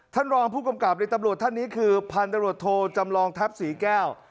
ท่านรองผู้กำกับในตำรวจท่านนี้คือพันธบรวจโทจำลองทัพศรีแก้ว